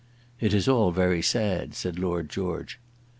"It is all very sad," said Lord George.